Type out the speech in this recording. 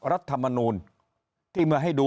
รัฐมนูลที่มาให้ดู